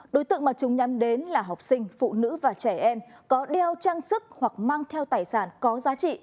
đối tượng mà chúng nhắm đến là học sinh phụ nữ và trẻ em có đeo trang sức hoặc mang theo tài sản có giá trị